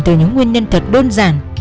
từ những nguyên nhân thật đơn giản